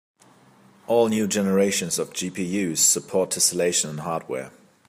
All new generations of GPUs support tesselation in hardware.